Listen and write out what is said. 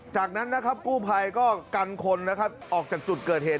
จากนั้นนะครับกู้ภัยก็กันคนนะครับออกจากจุดเกิดเหตุ